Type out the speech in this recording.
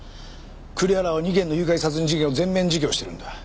栗原は２件の誘拐殺人事件を全面自供してるんだ。